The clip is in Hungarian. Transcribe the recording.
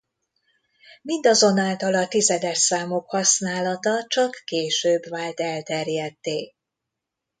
Mindazonáltal a tizedes számok használata csak később vált elterjedtté.